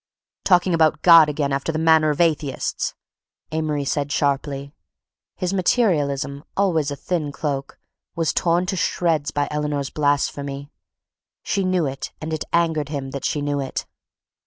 "Talking about God again after the manner of atheists," Amory said sharply. His materialism, always a thin cloak, was torn to shreds by Eleanor's blasphemy.... She knew it and it angered him that she knew it.